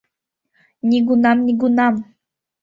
Нигунам-нигунам!..